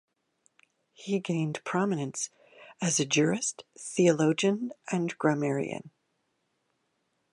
He gained prominence as a jurist, theologian and grammarian.